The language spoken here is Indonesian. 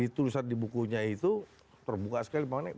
itu tulisan di bukunya itu terbuka sekali pak anies